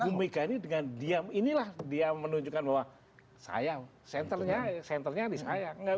jangan lupa bu ibu mega ini dengan diam inilah dia menunjukkan bahwa sayang centernya di saya